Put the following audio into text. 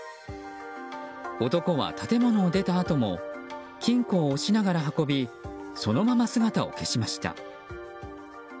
男は建物を出たあとも金庫を押しながら運びそのまま姿を消しました。